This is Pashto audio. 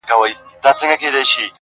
زه چي وګرځمه ځان کي جهان وینم-